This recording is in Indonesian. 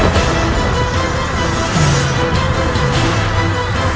beri di dalam asap supl regiment